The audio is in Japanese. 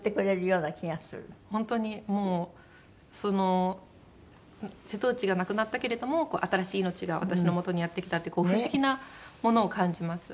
本当にもうその瀬戸内が亡くなったけれども新しい命が私のもとにやって来たっていう不思議なものを感じます。